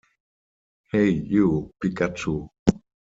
Hey You, Pikachu!